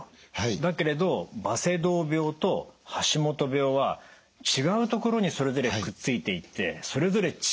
だけれどバセドウ病と橋本病は違うところにそれぞれくっついていってそれぞれ違う症状を引き起こしていると。